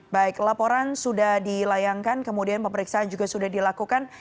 baik laporan sudah dilayangkan kemudian pemeriksaan juga sudah dilakukan